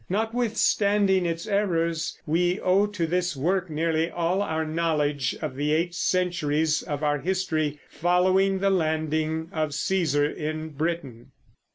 Notwithstanding its errors, we owe to this work nearly all our knowledge of the eight centuries of our history following the landing of Cæsar in Britain.